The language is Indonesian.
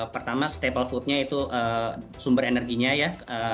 pertama steple foodnya itu sumber energinya ya